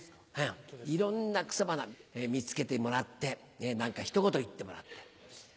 いろんな草花見つけてもらって何か一言言ってもらって。